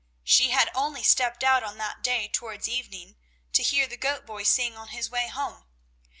She had only stepped out on that day towards evening, to hear the goat boy sing on his way home.